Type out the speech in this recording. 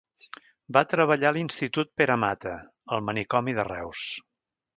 Va treballar a l’Institut Pere Mata, el manicomi de Reus.